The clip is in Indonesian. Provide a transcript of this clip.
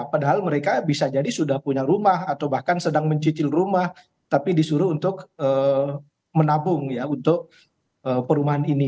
padahal mereka bisa jadi sudah punya rumah atau bahkan sedang mencicil rumah tapi disuruh untuk menabung ya untuk perumahan ini